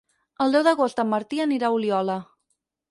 El deu d'agost en Martí anirà a Oliola.